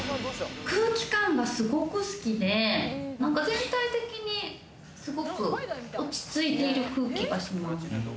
空気感がすごく好きで、全体的にすごく落ち着いている空気がします。